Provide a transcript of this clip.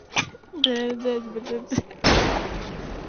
Ìyábọ̀ Òjó fi sìgá dárà ní ilé epo bẹtiró ní ìlú ìlọrin.